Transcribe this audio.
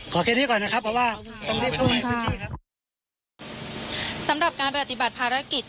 ขอแค่นี้ก่อนนะครับเพราะว่าสำหรับการประติบัติภารกิจ